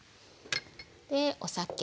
でお酒。